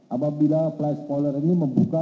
apabila fly spoiler ini membuka